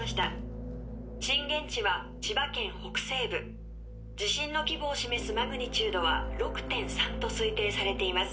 「震源地は千葉県北西部」「地震の規模を示すマグニチュードは６．３と推定されています」